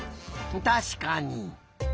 たしかに。